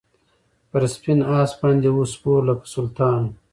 پر سپین آس باندي وو سپور لکه سلطان وو